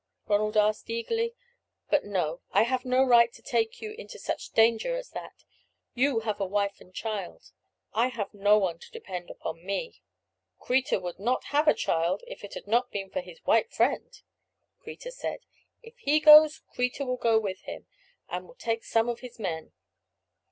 Ronald asked, eagerly. "But no, I have no right to take you into such danger as that. You have a wife and child; I have no one to depend upon me." "Kreta would not have a child if it had not been for his white friend," Kreta said; "if he goes, Kreta will go with him, and will take some of his men."